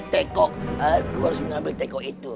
tegok aku harus mengambil tegok itu